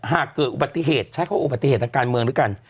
หากเกิดอุบัติเหตุใช้คำว่าอุบัติเหตุทางการเมืองด้วยกัน